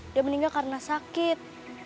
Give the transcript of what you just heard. dia meninggal karena sakit